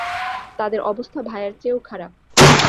তাদের অবস্থা ভায়ার চেয়েও খারাপ।